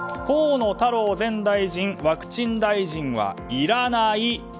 河野太郎前大臣ワクチン大臣はいらない。